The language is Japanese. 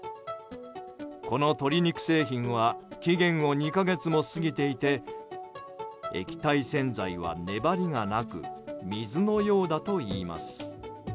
この鶏肉製品は期限を２か月も過ぎていて液体洗剤は粘りがなく水のようだといいます。